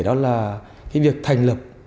đó là việc thành lập